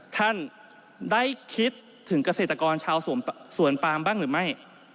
ท่านได้คิดถึงเกษตรกรชาวสวนปามบ้างหรือไม่